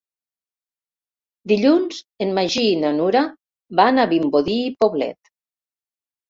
Dilluns en Magí i na Nura van a Vimbodí i Poblet.